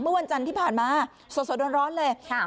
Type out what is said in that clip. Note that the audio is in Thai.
เมื่อวันจันทร์ที่ผ่านมาสดร้อนเลย